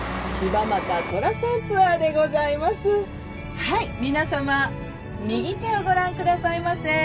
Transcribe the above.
はい皆さま右手をご覧くださいませ。